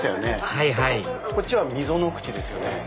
はいはいこっちは溝の口ですよね。